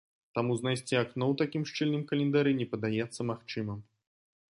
Таму знайсці акно ў такім шчыльным календары не падаецца магчымым.